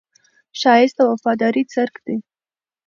ښایست د وفادارۍ څرک دی